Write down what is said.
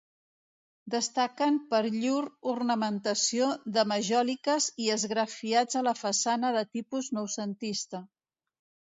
Destaquen per llur ornamentació de majòliques i esgrafiats a la façana de tipus noucentista.